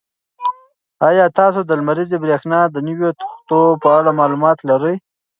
ایا تاسو د لمریزې برېښنا د نویو تختو په اړه معلومات لرئ؟